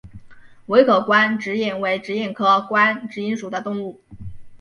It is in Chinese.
围口冠蛭蚓为蛭蚓科冠蛭蚓属的动物。